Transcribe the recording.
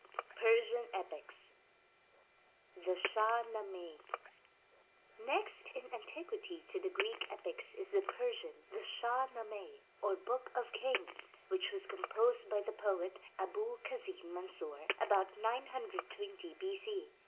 tPERSIAN EPICS THE SHAH NAMEH Next in antiquity to the Greek epics is the Persian, the Shah Namehy or Book of Kings, which was composed by the poet Abul Kasin Mansur about 920 B. C.